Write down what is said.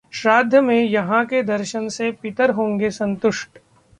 श्राद्ध में यहां के दर्शन से पितर होंगे संतुष्ट